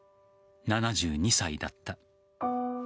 ７２歳だった。